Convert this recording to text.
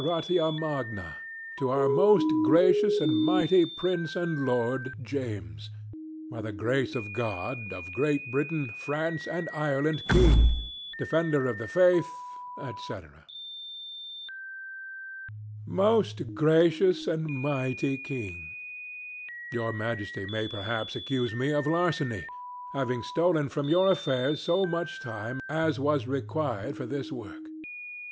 ] EPISTLE DEDICATORY TO THE INSTAURATIO MAGNA TO OUR MOST GRACIOUS AND MIGHTY PRINCE AND LORD JAMES BY THE GRACE OF GOD OF GREAT BRITAIN, FRANCE AND IRELAND KING, DEFENDER OF THE FAITH, ETC. Most Gracious and Mighty King, Your Majesty may perhaps accuse me of larceny, having stolen from your affairs so much time as was required for this work.